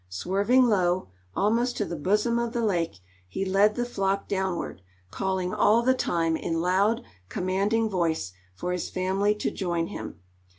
Swerving low, almost to the bosom of the lake, he led the flock downward, calling all the time in loud, commanding voice for his family to join him.